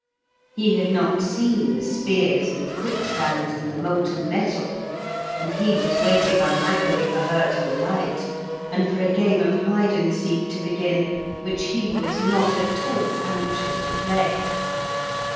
He had not seen the spears and the quicksands and the molten metal, and he was waiting unhappily for her to alight, and for a game of hide and seek to begin, which he was not at all anxious to play.